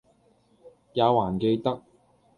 也還記得，